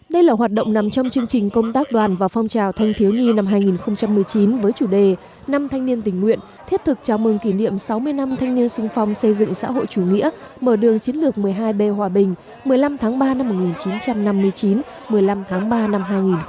đây là hoạt động nằm trong chương trình công tác đoàn và phong trào thanh thiếu nhi năm hai nghìn một mươi chín với chủ đề năm thanh niên tình nguyện thiết thực chào mừng kỷ niệm sáu mươi năm thanh niên sung phong xây dựng xã hội chủ nghĩa mở đường chiến lược một mươi hai b hòa bình một mươi năm tháng ba năm một nghìn chín trăm năm mươi chín một mươi năm tháng ba năm hai nghìn một mươi chín